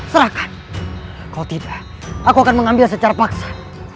takut tidak aku akan mengambil secara paksa